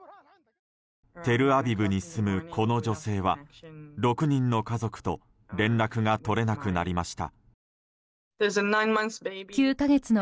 テルアビブに住む、この女性は６人の家族と連絡が取れなくなりました。